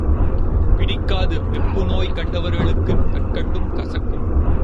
பிடிக்காது வெப்புநோய் கண்டவர்களுக்குக் கற்கண்டும் கசக்கும்.